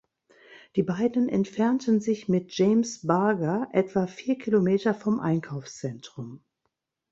Die beiden entfernten sich mit James Bulger etwa vier Kilometer vom Einkaufszentrum.